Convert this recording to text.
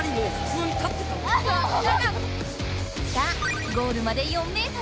さあゴールまで４ｍ。